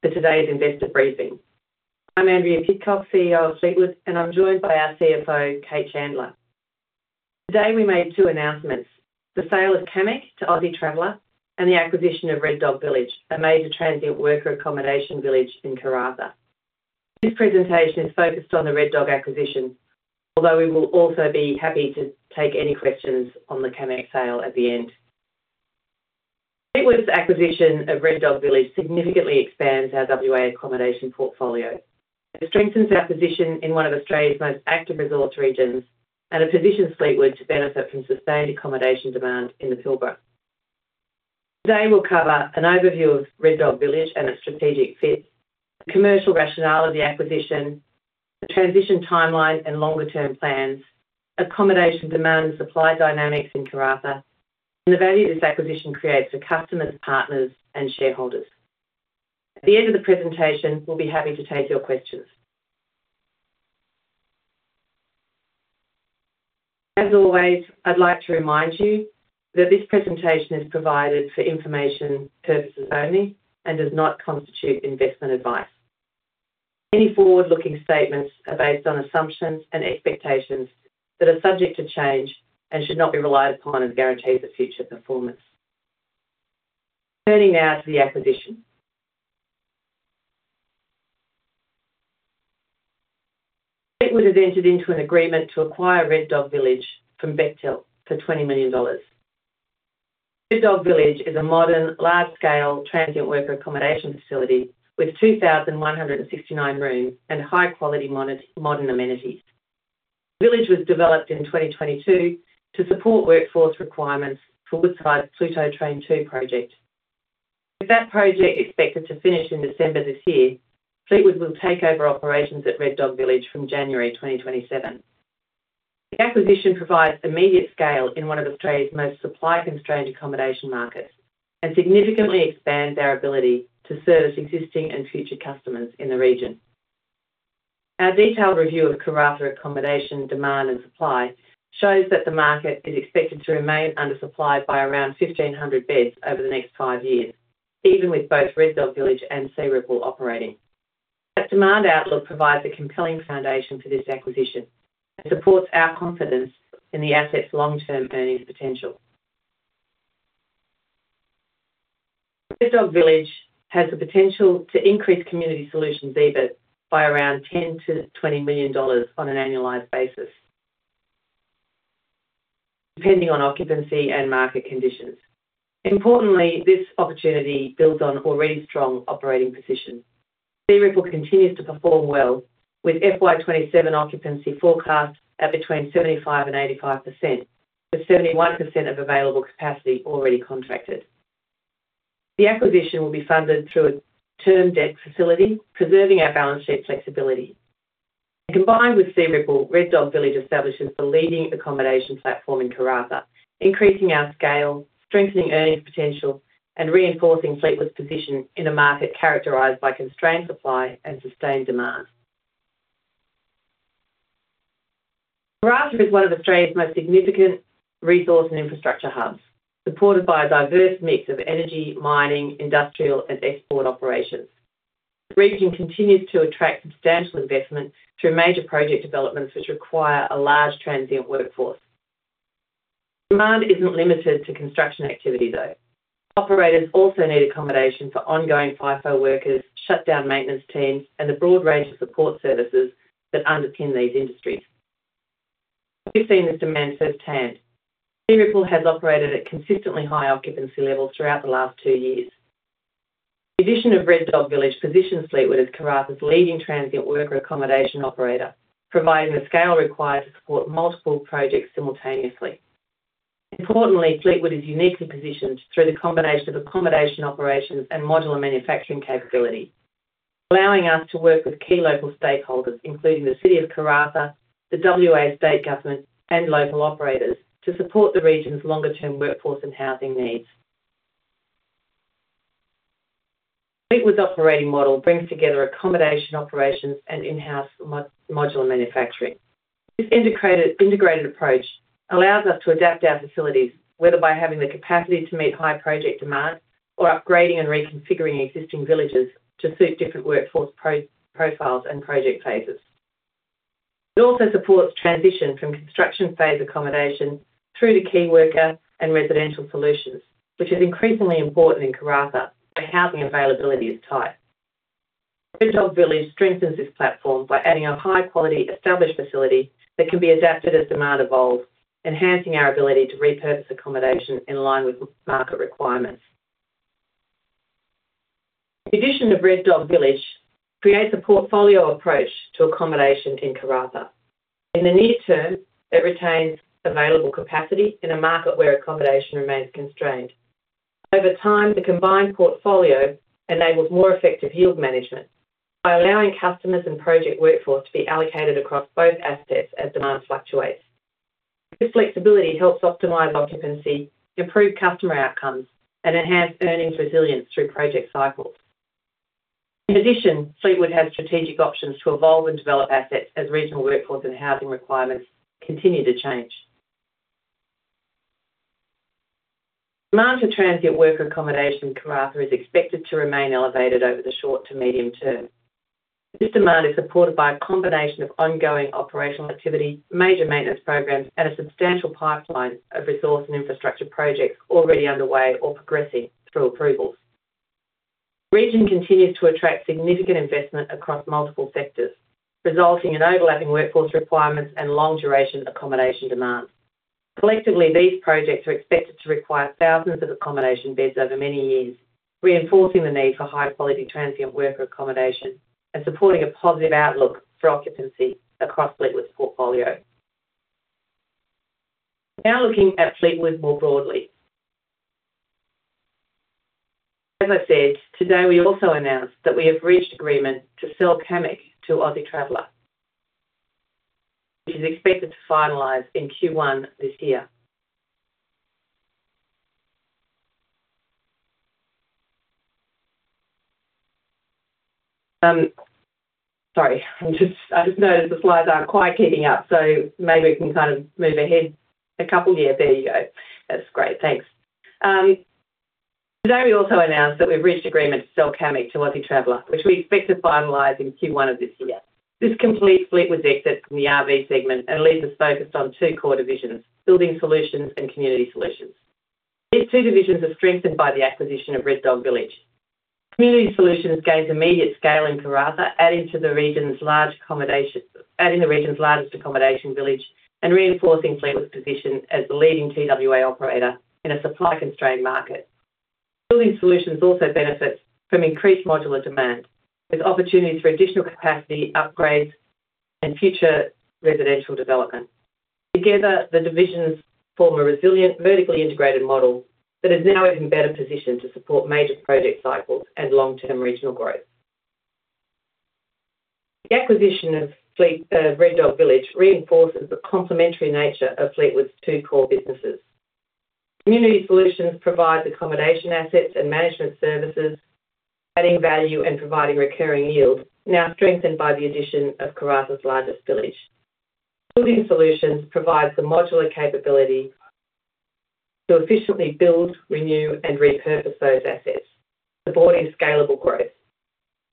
For today's investor briefing. I'm Andrea Pidcock, CEO of Fleetwood, and I'm joined by our CFO, Cate Chandler. Today, we made two announcements: the sale of Camec to Aussie Traveller, and the acquisition of Red Dog Village, a major transient worker accommodation village in Karratha. This presentation is focused on the Red Dog acquisition, although we will also be happy to take any questions on the Camec sale at the end. Fleetwood's acquisition of Red Dog Village significantly expands our WA accommodation portfolio. It strengthens our position in one of Australia's most active resource regions and it positions Fleetwood to benefit from sustained accommodation demand in the Pilbara. Today, we'll cover an overview of Red Dog Village and its strategic fit, commercial rationale of the acquisition, the transition timeline and longer-term plans, accommodation demand and supply dynamics in Karratha, and the value this acquisition creates for customers, partners, and shareholders. At the end of the presentation, we'll be happy to take your questions. As always, I'd like to remind you that this presentation is provided for information purposes only and does not constitute investment advice. Any forward-looking statements are based on assumptions and expectations that are subject to change and should not be relied upon as guarantees of future performance. Turning now to the acquisition. Fleetwood has entered into an agreement to acquire Red Dog Village from Bechtel for 20 million dollars. Red Dog Village is a modern, large-scale transient worker accommodation facility with 2,169 rooms and high-quality, modern amenities. The village was developed in 2022 to support workforce requirements for Woodside's Pluto Train 2 project. With that project expected to finish in December this year, Fleetwood will take over operations at Red Dog Village from January 2027. The acquisition provides immediate scale in one of Australia's most supply-constrained accommodation markets and significantly expands our ability to service existing and future customers in the region. Our detailed review of Karratha accommodation demand and supply shows that the market is expected to remain undersupplied by around 1,500 beds over the next five years, even with both Red Dog Village and Searipple Village operating. That demand outlook provides a compelling foundation for this acquisition and supports our confidence in the asset's long-term earnings potential. Red Dog Village has the potential to increase Community Solutions EBIT by around 10 million-20 million dollars on an annualized basis, depending on occupancy and market conditions. Importantly, this opportunity builds on already strong operating positions. Searipple Village continues to perform well with FY 2027 occupancy forecast at between 75%-85%, with 71% of available capacity already contracted. The acquisition will be funded through a term debt facility, preserving our balance sheet flexibility. Combined with Searipple Village, Red Dog Village establishes the leading accommodation platform in Karratha, increasing our scale, strengthening earnings potential, and reinforcing Fleetwood's position in a market characterized by constrained supply and sustained demand. Karratha is one of Australia's most significant resource and infrastructure hubs, supported by a diverse mix of energy, mining, industrial, and export operations. The region continues to attract substantial investment through major project developments which require a large transient workforce. Demand isn't limited to construction activity, though. Operators also need accommodation for ongoing FIFO workers, shutdown maintenance teams, and the broad range of support services that underpin these industries. We've seen this demand firsthand. Searipple Village has operated at consistently high occupancy levels throughout the last two years. The addition of Red Dog Village positions Fleetwood as Karratha's leading transient worker accommodation operator, providing the scale required to support multiple projects simultaneously. Importantly, Fleetwood is uniquely positioned through the combination of accommodation operations and modular manufacturing capability, allowing us to work with key local stakeholders, including the City of Karratha, the WA State Government, and local operators to support the region's longer-term workforce and housing needs. Fleetwood's operating model brings together accommodation operations and in-house modular manufacturing. This integrated approach allows us to adapt our facilities, whether by having the capacity to meet high project demands or upgrading and reconfiguring existing villages to suit different workforce profiles and project phases. It also supports transition from construction phase accommodation through to key worker and residential solutions, which is increasingly important in Karratha, where housing availability is tight. Red Dog Village strengthens this platform by adding a high-quality, established facility that can be adapted as demand evolves, enhancing our ability to repurpose accommodation in line with market requirements. The addition of Red Dog Village creates a portfolio approach to accommodation in Karratha. In the near term, it retains available capacity in a market where accommodation remains constrained. Over time, the combined portfolio enables more effective yield management by allowing customers and project workforce to be allocated across both assets as demand fluctuates. This flexibility helps optimize occupancy, improve customer outcomes, and enhance earnings resilience through project cycles. In addition, Fleetwood has strategic options to evolve and develop assets as regional workforce and housing requirements continue to change. Demand for transient worker accommodation in Karratha is expected to remain elevated over the short to medium term. This demand is supported by a combination of ongoing operational activity, major maintenance programs, and a substantial pipeline of resource and infrastructure projects already underway or progressing through approvals. The region continues to attract significant investment across multiple sectors, resulting in overlapping workforce requirements and long-duration accommodation demands. Collectively, these projects are expected to require thousands of accommodation beds over many years, reinforcing the need for high-quality transient worker accommodation and supporting a positive outlook for occupancy across Fleetwood's portfolio. Looking at Fleetwood more broadly. I said, today, we also announced that we have reached agreement to sell Camec to Aussie Traveller, which is expected to finalize in Q1 this year. I just noticed the slides aren't quite keeping up, so maybe we can move ahead a couple. There you go. That's great. Thanks. Today, we also announced that we've reached agreement to sell Camec to Aussie Traveller, which we expect to finalize in Q1 of this year. This completes Fleetwood's exit from the RV segment and leaves us focused on two core divisions, Building Solutions and Community Solutions. These two divisions are strengthened by the acquisition of Red Dog Village. Community Solutions gains immediate scale in Karratha, adding the region's largest accommodation village and reinforcing Fleetwood's position as the leading TWA operator in a supply-constrained market. Building Solutions also benefits from increased modular demand, with opportunities for additional capacity, upgrades, and future residential development. Together, the divisions form a resilient, vertically integrated model that is now in an even better position to support major project cycles and long-term regional growth. The acquisition of Red Dog Village reinforces the complementary nature of Fleetwood's two core businesses. Community Solutions provides accommodation assets and management services, adding value and providing recurring yield, now strengthened by the addition of Karratha's largest village. Building Solutions provides the modular capability to efficiently build, renew, and repurpose those assets, supporting scalable growth.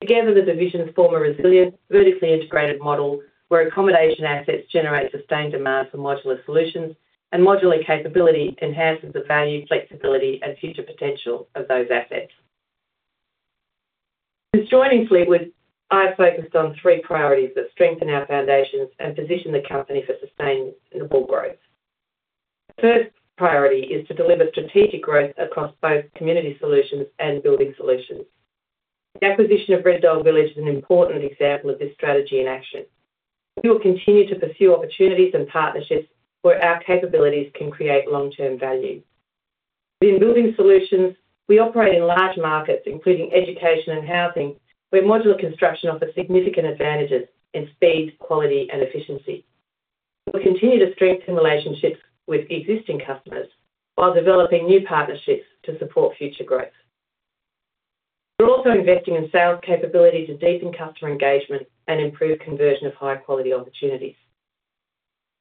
Together, the divisions form a resilient, vertically integrated model where accommodation assets generate sustained demand for modular solutions, and modular capability enhances the value, flexibility, and future potential of those assets. Since joining Fleetwood, I have focused on three priorities that strengthen our foundations and position the company for sustainable growth. The first priority is to deliver strategic growth across both Community Solutions and Building Solutions. The acquisition of Red Dog Village is an important example of this strategy in action. We will continue to pursue opportunities and partnerships where our capabilities can create long-term value. In Building Solutions, we operate in large markets, including education and housing, where modular construction offers significant advantages in speed, quality, and efficiency. We will continue to strengthen relationships with existing customers while developing new partnerships to support future growth. We are also investing in sales capability to deepen customer engagement and improve conversion of high-quality opportunities.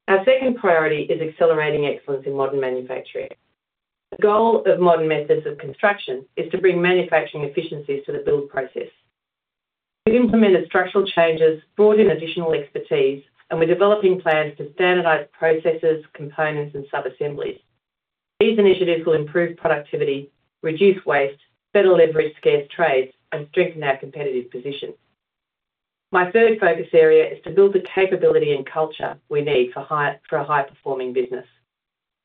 Our second priority is accelerating excellence in modern manufacturing. The goal of modern methods of construction is to bring manufacturing efficiencies to the build process. We have implemented structural changes, brought in additional expertise, and we are developing plans to standardize processes, components, and sub-assemblies. These initiatives will improve productivity, reduce waste, better leverage scarce trades, and strengthen our competitive position. My third focus area is to build the capability and culture we need for a high-performing business.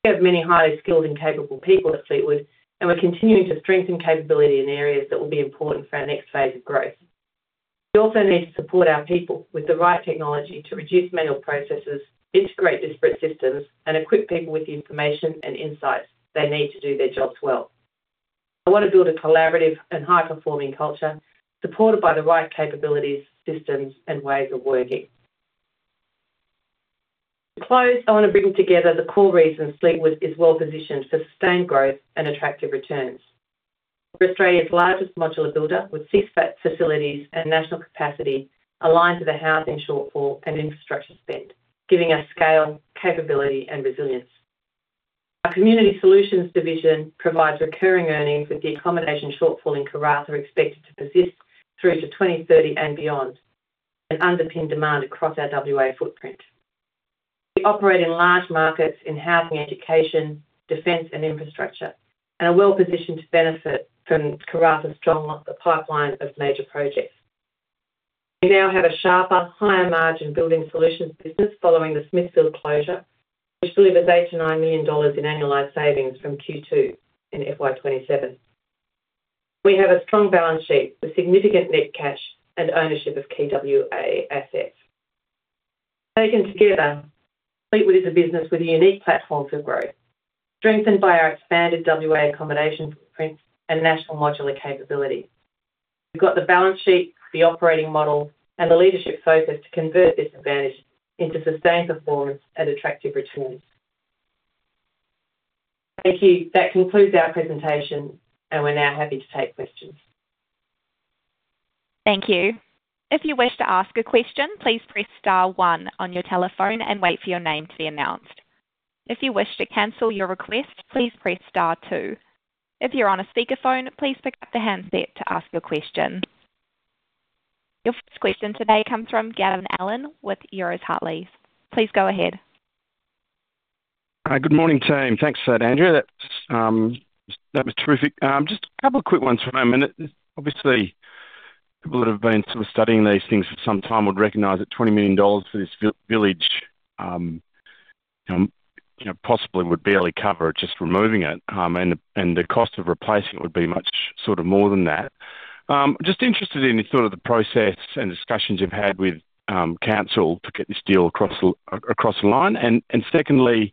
We have many highly skilled and capable people at Fleetwood, and we are continuing to strengthen capability in areas that will be important for our next phase of growth. We also need to support our people with the right technology to reduce manual processes, integrate disparate systems, and equip people with the information and insights they need to do their jobs well. I want to build a collaborative and high-performing culture supported by the right capabilities, systems, and ways of working. To close, I want to bring together the core reasons Fleetwood is well positioned for sustained growth and attractive returns. We are Australia's largest modular builder, with six facilities and national capacity aligned to the housing shortfall and infrastructure spend, giving us scale, capability, and resilience. Our Community Solutions division provides recurring earnings, with the accommodation shortfall in Karratha expected to persist through to 2030 and beyond and underpin demand across our WA footprint. We operate in large markets in housing, education, defense, and infrastructure and are well-positioned to benefit from Karratha's strong pipeline of major projects. We now have a sharper, higher-margin Building Solutions business following the Smithfield closure, which delivers 8 million-9 million dollars in annualized savings from Q2 in FY 2025. We have a strong balance sheet with significant net cash and ownership of key WA assets. Taken together, Fleetwood is a business with a unique platform for growth, strengthened by our expanded WA accommodation footprint and national modular capability. We have got the balance sheet, the operating model, and the leadership focus to convert this advantage into sustained performance and attractive returns. Thank you. That concludes our presentation. We're now happy to take questions. Thank you. If you wish to ask a question, please press star one on your telephone and wait for your name to be announced. If you wish to cancel your request, please press star two. If you're on a speakerphone, please pick up the handset to ask your question. Your first question today comes from Gavin Allen with Euroz Hartleys. Please go ahead. Hi. Good morning, team. Thanks for that, Andrea. That was terrific. Just a couple quick ones from him. Obviously, people that have been sort of studying these things for some time would recognize that 20 million dollars for this village, possibly would barely cover it, just removing it. The cost of replacing it would be much more than that. Just interested in the process and discussions you've had with council to get this deal across the line. Secondly,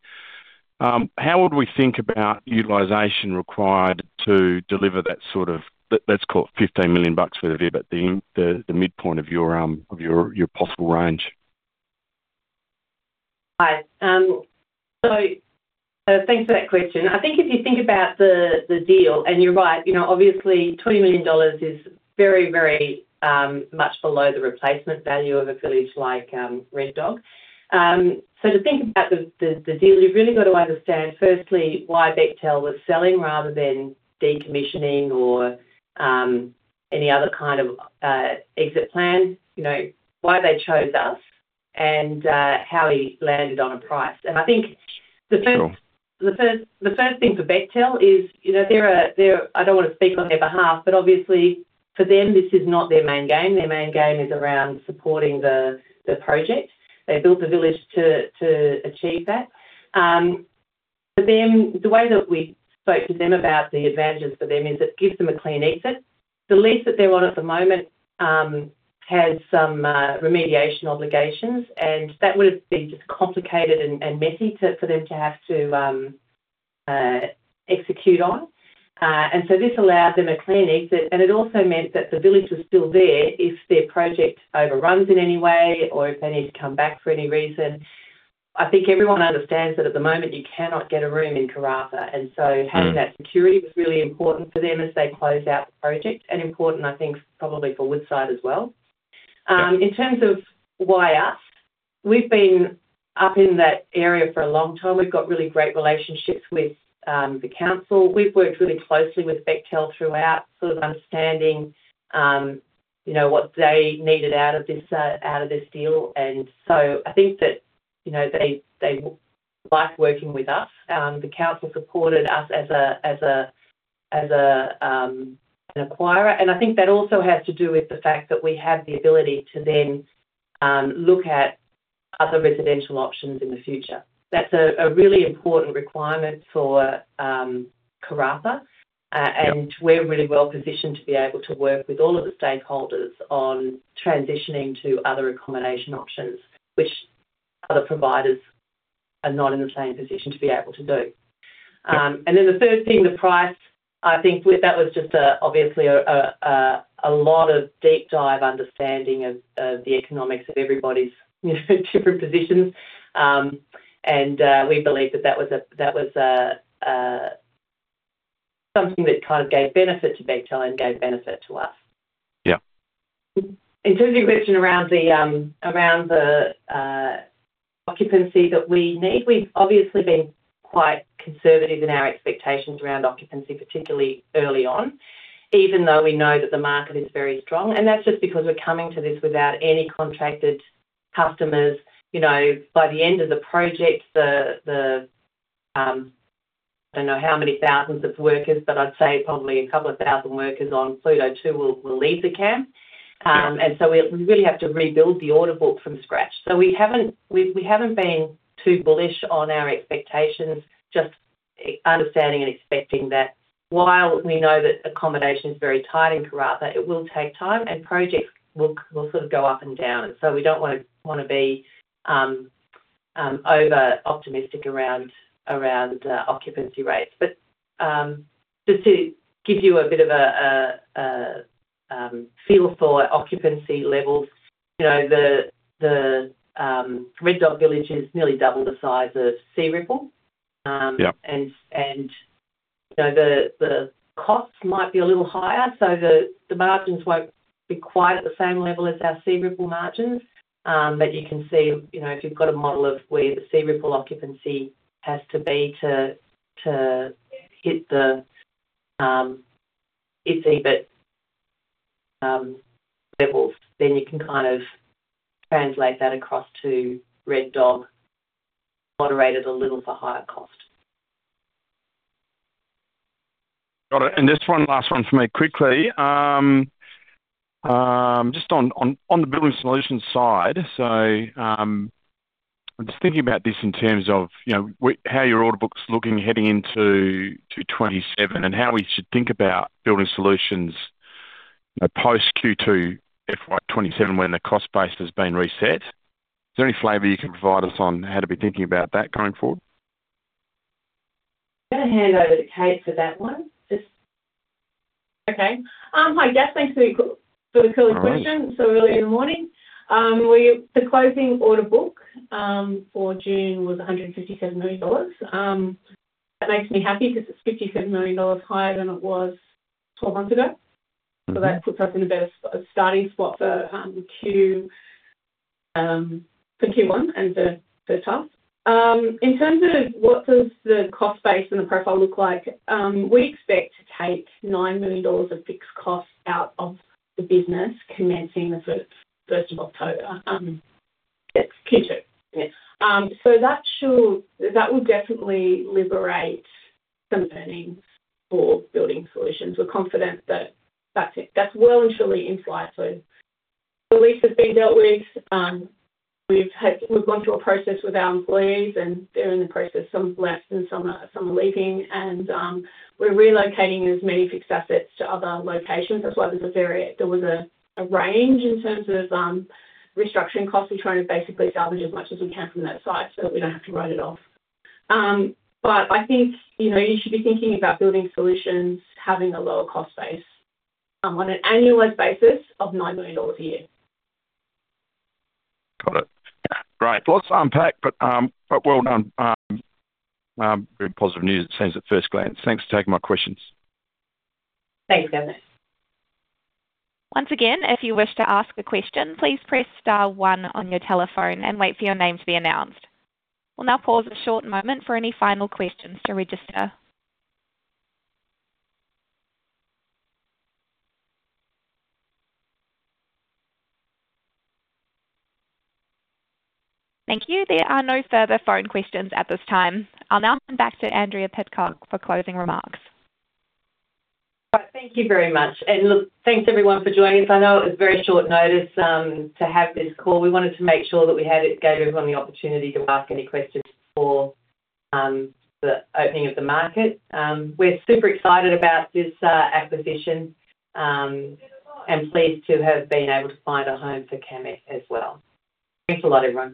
how would we think about utilization required to deliver that, let's call it 15 million bucks worth of it, but the midpoint of your possible range? Hi. Thanks for that question. I think if you think about the deal, you're right, obviously 20 million dollars is very much below the replacement value of a village like Red Dog. To think about the deal, you've really got to understand firstly why Bechtel was selling rather than decommissioning or any other kind of exit plan, why they chose us and how we landed on a price- Sure. ...the first thing for Bechtel is, I don't want to speak on their behalf, but obviously for them, this is not their main game. Their main game is around supporting the project. They built the village to achieve that. For them, the way that we spoke to them about the advantages for them is it gives them a clean exit. The lease that they're on at the moment has some remediation obligations, and that would've been just complicated and messy for them to have to execute on. This allowed them a clean exit, and it also meant that the village was still there if their project overruns in any way or if they need to come back for any reason. I think everyone understands that at the moment you cannot get a room in Karratha, and so having that security was really important for them as they closed out the project, and important, I think probably for Woodside as well. In terms of why us, we've been up in that area for a long time. We've got really great relationships with the council. We've worked really closely with Bechtel throughout, understanding what they needed out of this deal. I think that they like working with us. The council supported us as an acquirer, and I think that also has to do with the fact that we have the ability to then look at other residential options in the future. That's a really important requirement for Karratha. Yeah. We're really well-positioned to be able to work with all of the stakeholders on transitioning to other accommodation options, which other providers are not in the same position to be able to do. The third thing, the price, I think that was just obviously a lot of deep dive understanding of the economics of everybody's different positions. We believe that that was something that gave benefit to Bechtel and gave benefit to us. Yeah. In terms of your question around the occupancy that we need, we've obviously been quite conservative in our expectations around occupancy, particularly early on, even though we know that the market is very strong. That's just because we're coming to this without any contracted customers. By the end of the project, I don't know how many thousands of workers, but I'd say probably a couple of thousand workers on Pluto Two will leave the camp. We really have to rebuild the order book from scratch. We haven't been too bullish on our expectations, just understanding and expecting that while we know that accommodation is very tight in Karratha, it will take time, and projects will go up and down. We don't want to be over-optimistic around occupancy rates. Just to give you a bit of a feel for occupancy levels, the Red Dog Village is nearly double the size of Searipple Village. Yeah. The cost might be a little higher, so the margins won't be quite at the same level as our Searipple Village margins. You can see, if you've got a model of where the Searipple Village occupancy has to be to hit the EBIT levels, then you can translate that across to Red Dog, moderated a little for higher cost. Got it. Just one last one from me quickly. On the Building Solutions side, I'm just thinking about this in terms of how your order book's looking heading into 2027, and how we should think about Building Solutions, post Q2 FY 2027 when the cost base has been reset. Is there any flavor you can provide us on how to be thinking about that going forward? I'm going to hand over to Cate for that one. Okay. Hi, Gavin. Thanks for the clear question so early in the morning. The closing order book for June was 157 million dollars. That makes me happy because it's 57 million dollars higher than it was 12 months ago. That puts us in a better starting spot for Q1 and third term. In terms of what does the cost base and the profile look like, we expect to take 9 million dollars of fixed costs out of the business commencing the first of October. Q2? Yes. That will definitely liberate some earnings for Building Solutions. We're confident that that's well and truly in flight. The lease has been dealt with. We've gone through a process with our employees, and they're in the process. Some have left, and some are leaving, and we're relocating as many fixed assets to other locations. That's why there was a range in terms of restructuring costs. We're trying to basically salvage as much as we can from that site so that we don't have to write it off. I think you should be thinking about Building Solutions having a lower cost base on an annualized basis of 9 million a year. Got it. Great. Lots to unpack, but well done. Very positive news it seems at first glance. Thanks for taking my questions. Thanks Gavin. Once again, if you wish to ask a question, please press star one on your telephone and wait for your name to be announced. We will now pause a short moment for any final questions to register. Thank you. There are no further phone questions at this time. I will now hand back to Andrea Pidcock for closing remarks. Right. Thank you very much. Look, thanks, everyone, for joining us. I know it was very short notice to have this call. We wanted to make sure that we gave everyone the opportunity to ask any questions before the opening of the market. We are super excited about this acquisition, and pleased to have been able to find a home for Camec as well. Thanks a lot, everyone.